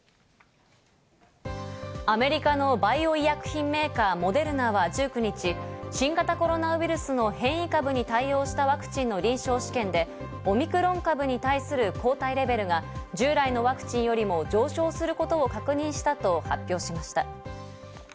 アメリカのバイオ医薬品メーカー・モデルナは１９日、新型コロナウイルスの変異株に対応したワクチンの臨床試験でオミクロン株に対する抗体レベルが従来のワクチンよりも上昇することを確認したと発表しました。